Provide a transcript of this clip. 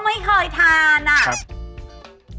เมื่อกี้ซื้อเด้ม